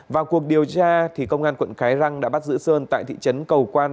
vào cuộc điều tra công an quận cái răng đã bắt giữ sơn tại thị trấn cầu quan